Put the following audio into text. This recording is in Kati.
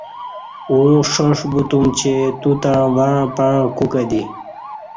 اوں ݜاݜ بوتُم چہ توتݩع وݩع پݩع کوکہ دی